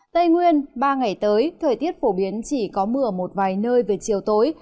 tây nguyên ba ngày tới thời tiết phổ biến chỉ có mưa ở một vài nơi về chiều tối